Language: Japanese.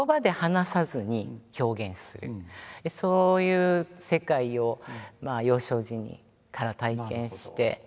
そういう世界を幼少時から体験して。